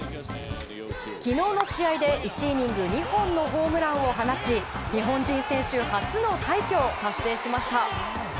昨日の試合で１イニング２本のホームランを放ち日本人選手初の快挙を達成しました。